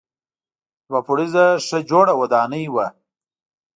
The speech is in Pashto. دوه پوړیزه ښه جوړه ودانۍ وه.